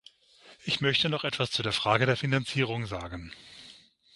Ich möchte noch etwas zu der Frage der Finanzierung sagen.